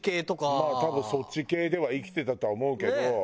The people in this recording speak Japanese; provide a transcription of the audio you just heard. まあ多分そっち系では生きてたとは思うけど。